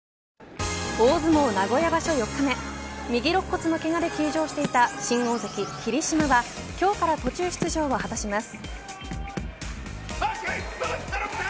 大相撲名古屋場所四日目右肋骨のけがで休場していた新大関、霧島は今日から途中出場を果たします。